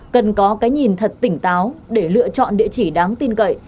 cần có cái nhìn thật tỉnh táo để lựa chọn địa chỉ đáng tin cậy